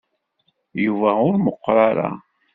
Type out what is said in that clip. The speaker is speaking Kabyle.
Yuba ur meqqer ara.